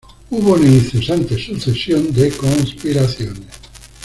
Hubo una incesante sucesión de conspiraciones.